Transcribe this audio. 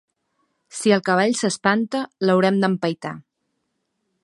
Si el cavall s'espanta l'haurem d'empaitar.